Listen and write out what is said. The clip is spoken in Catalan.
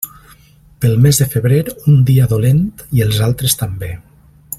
Pel mes de febrer un dia dolent i els altres també.